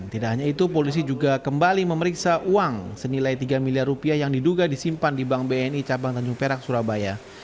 tidak hanya itu polisi juga kembali memeriksa uang senilai tiga miliar rupiah yang diduga disimpan di bank bni cabang tanjung perak surabaya